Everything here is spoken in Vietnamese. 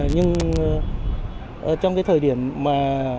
nhưng trong cái thời điểm mà